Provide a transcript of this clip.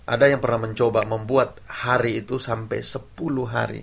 ada yang pernah mencoba membuat hari itu sampai sepuluh hari